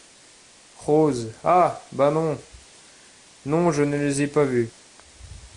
Rose Ah ! ben, non ! non je les ai pas vues.